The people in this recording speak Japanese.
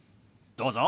どうぞ。